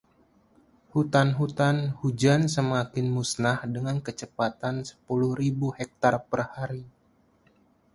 Hutan-hutan hujan semakin musnah dengan kecepatan sepuluh ribu hektar per hari.